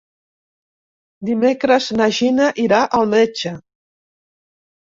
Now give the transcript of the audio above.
Dimecres na Gina irà al metge.